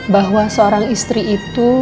bahwa seorang istri itu